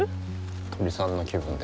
鳥さんの気分で。